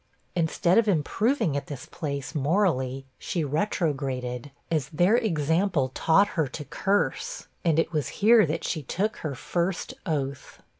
Instead of improving at this place, morally, she retrograded, as their example taught her to curse; and it was here that she took her first oath.